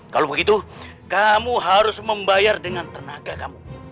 kalau begitu kamu harus membayar dengan tenaga kamu